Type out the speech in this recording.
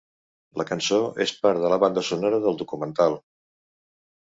La cançó és part de la banda sonora del documental.